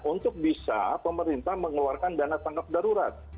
untuk bisa pemerintah mengeluarkan dana tangkap darurat